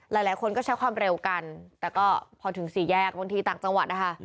หลายคนก็ใช้ความเร็วกันแต่ก็พอถึงสี่แยกบางทีต่างจังหวัดนะคะ